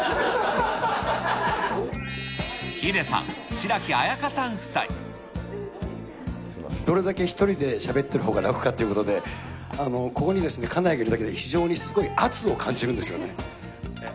ヒデさん、どれだけ１人でしゃべってるほうが楽かっていうことで、ここに家内がいるだけで非常にすごい圧を感じるんですよね。